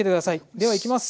ではいきます。